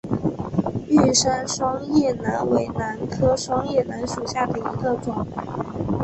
玉山双叶兰为兰科双叶兰属下的一个种。